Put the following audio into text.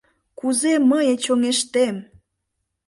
Кузе мые чоҥештем!